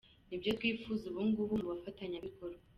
Ni byo twifuza ubungubu mu bafatanyabikorwa.”